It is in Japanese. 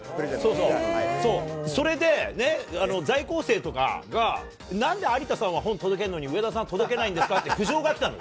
そうそう、それで在校生とかが、なんで有田さんは本届けるのに、上田さんは届けないんですかって、苦情が来たの。